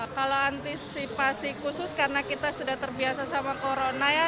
kalau antisipasi khusus karena kita sudah terbiasa sama corona ya